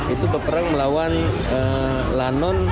itu berperang melawan lanon